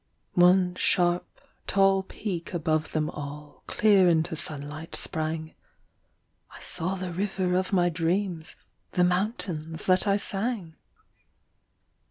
One sharp, tall peak above them all Clear into sunlight sprang I saw the river of my dreams, The mountains that I sang!